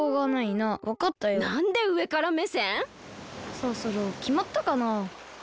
そろそろきまったかな？